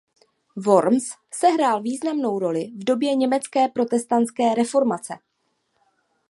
Worms sehrál významnou roli v době německé protestantské reformace.